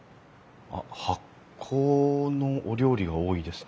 あっ発酵のお料理が多いですね。